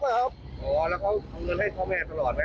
โอเขาเอาเงินให้พ่อแม่ตลอดมั้ย